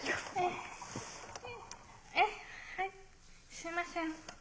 すいません。